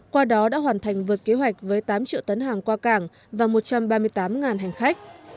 qua đó đã hoàn thành vượt kế hoạch với tám triệu tấn hàng qua cảng và một trăm ba mươi tám hành khách